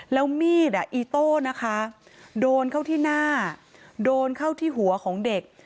แล้วมีดอ่ะอีโต้นะคะโดนเข้าที่หน้าโดนเข้าที่หัวของเด็ก